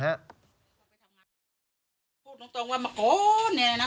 พูดตรงว่าโอ๊ยนี่นะ